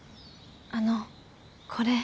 あのこれ。